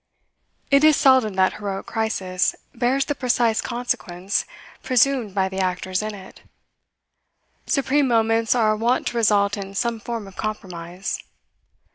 It is seldom that heroic crisis bears the precise consequence presumed by the actors in it; supreme moments are wont to result in some form of compromise.